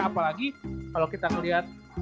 apalagi kalau kita ngeliat